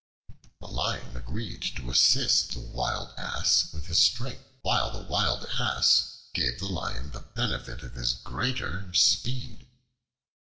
The Lion agreed to assist the Wild Ass with his strength, while the Wild Ass gave the Lion the benefit of his greater speed.